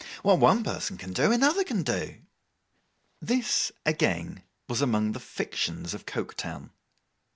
What one person can do, another can do.' This, again, was among the fictions of Coketown.